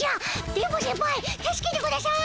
電ボセンパイ助けてください！